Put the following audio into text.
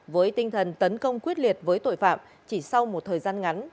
với tinh thần tấn công quyết liệt với tội phạm chỉ sau một thời gian ngắn